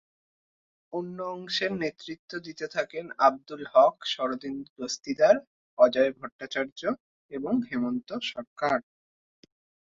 অন্য অংশের নেতৃত্ব দিতে থাকেন আবদুল হক, শরদিন্দু দস্তিদার, অজয় ভট্টাচার্য এবং হেমন্ত সরকার।